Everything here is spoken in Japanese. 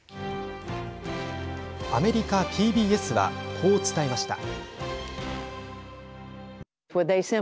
アメリカＰＢＳはこう伝えました。